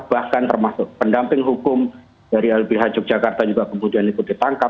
bahkan termasuk pendamping hukum dari lbh yogyakarta juga kemudian ikut ditangkap